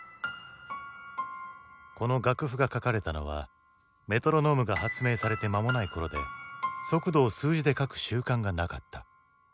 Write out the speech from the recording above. この楽譜が書かれたのはメトロノームが発明されて間もない頃で速度を数字で書く習慣がなかった。